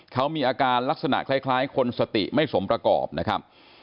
เขามีอาการลักษณะคล้ายคนสติไม่สมประกอบนะครับ